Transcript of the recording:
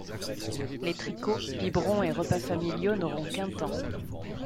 Les tricots, biberons et repas familiaux n’auront qu’un temps.